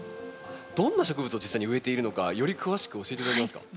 どんな植物を実際に植えているのかより詳しく教えて頂けますか？